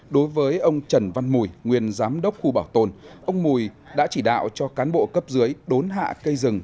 đối với ông trần văn mùi nguyên giám đốc khu bảo tồn ông mùi đã chỉ đạo cho cán bộ cấp dưới đốn hạ cây rừng